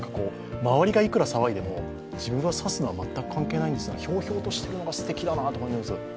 周りがいくら騒いでも、自分が指すのは全く関係ないとひょうひょうとしてるのがすてきだなと感じます。